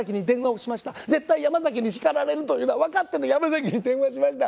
絶対山崎に叱られるというのはわかってるのに山崎に電話しました。